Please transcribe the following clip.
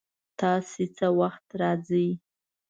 تاسو څه وخت راځئ؟